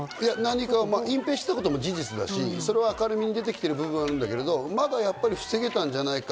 隠蔽したことも事実だし、それは明るみに出てきてる部分だけど、防げたんじゃないか。